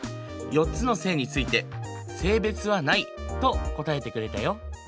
４つの性について性別はないと答えてくれたよ。